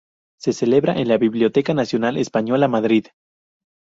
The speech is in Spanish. Se celebraba en la Biblioteca Nacional Española, Madrid.